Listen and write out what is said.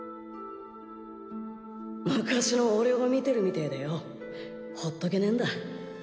昔の俺を見てるみてえでよほっとけねえんだ。